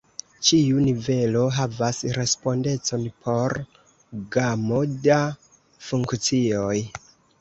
Ĉiu nivelo havas respondecon por gamo da funkcioj.